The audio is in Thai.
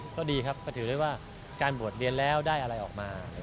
ก็ดีครับก็ถือได้ว่าการบวชเรียนแล้วได้อะไรออกมา